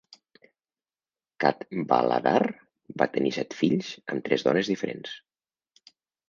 Cadwaladr va tenir set fills amb tres dones diferents.